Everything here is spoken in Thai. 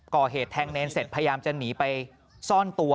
ก่อเหตุแทงเนรเสร็จพยายามจะหนีไปซ่อนตัว